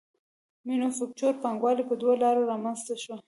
مینوفکچور پانګوالي په دوو لارو رامنځته شوه